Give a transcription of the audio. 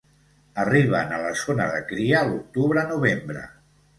Arriben a la zona de cria l'octubre-novembre.